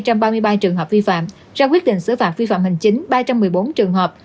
trong ba mươi ba trường hợp vi phạm ra quyết định xử phạt vi phạm hành chính ba trăm một mươi bốn trường hợp